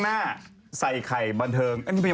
มาใส่ไขบันเทิงกันต่อค่ะ